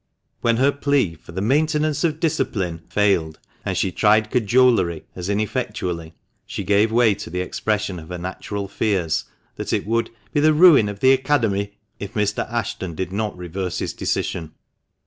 When her plea for the " maintenance of discipline " failed, and she tried cajolery as ineffectually, she gave way to the expression of her natural fears that it would "be the ruin of the Academy" if Mr. Ashton did not reverse his decision.